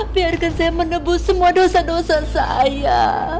biarkan saya menebus semua dosa dosa saya